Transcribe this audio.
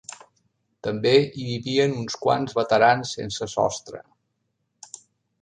També hi vivien uns quants Veterans sense sostre.